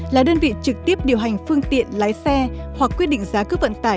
là đơn vị trực tiếp điều hành phương tiện lái xe hoặc quyết định giá cước vận tải